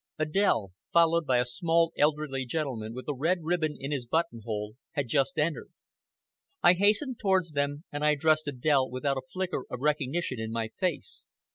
Adèle, followed by a small elderly gentleman with a red ribbon in his buttonhole, had just entered. I hastened towards them, and I addressed Adèle without a flicker of recognition in my face.